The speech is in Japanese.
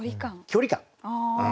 距離感。